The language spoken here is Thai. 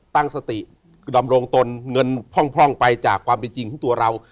ตั้งสติดำรงตนเงินพร่องไปจากความเป็นจริงของตัวเรา